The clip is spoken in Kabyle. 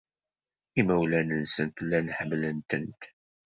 Imawlan-nsent llan ḥemmlen-tent.